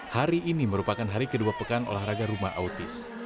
hari ini merupakan hari kedua pekan olahraga rumah autis